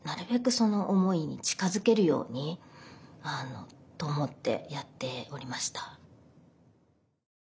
その思いに近づけるようにと思ってやっておりました。